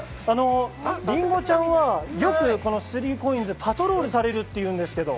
りんごちゃんはよくスリーコインズをパトロールされるというんですけど。